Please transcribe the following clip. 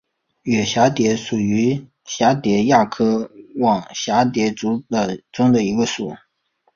远蛱蝶属是蛱蝶亚科网蛱蝶族中的一个属。